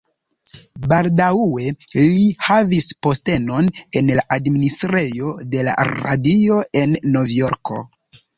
Baldaŭe li havis postenon en la administrejo de la Radio en Novjorko.